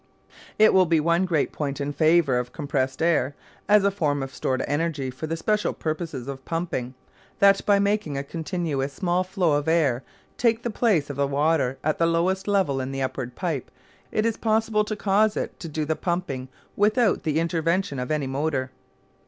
It will be one great point in favour of compressed air, as a form of stored energy for the special purpose of pumping, that by making a continuous small flow of air take the place of the water at the lowest level in the upward pipe, it is possible to cause it to do the pumping without the intervention of any motor.